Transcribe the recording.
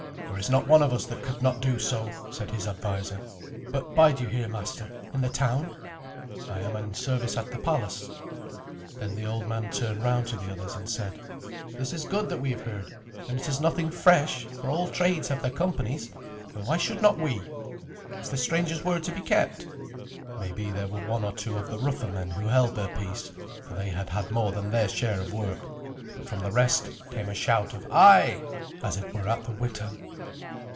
"There is not one of us that could not do so," said his adviser. "But bide you here, master, in the town?" "I am in service at the palace." Then the old man turned round to the others and said, "This is good that we have heard, and it is nothing fresh, for all trades have their companies, and why should not we? Is this stranger's word to be kept?" Maybe there were one or two of the rougher men who held their peace, for they had had more than their share of work, but from the rest came a shout of "Ay!" as it were at the Witan.